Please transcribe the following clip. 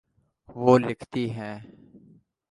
وہ لکھتی ہیں